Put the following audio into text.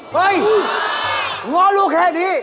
เฮ้ยง้อลูกแค่นี้